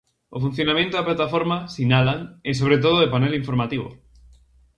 O funcionamento da plataforma, sinalan, é sobre todo de panel informativo.